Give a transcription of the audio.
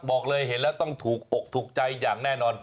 บอกเลยเห็นแล้วต้องถูกอกถูกใจอย่างแน่นอน